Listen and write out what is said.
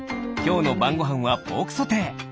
きょうのばんごはんはポークソテー。